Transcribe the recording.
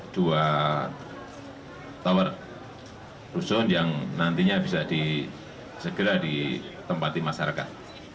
dua tower rusun yang nantinya bisa segera ditempati masyarakat